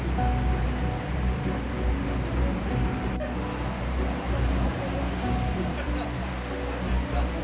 yakin sembuh ya mas ya